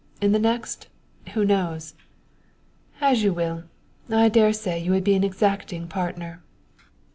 In the next who knows?" "As you will! I dare say you would be an exacting partner."